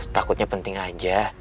takutnya penting aja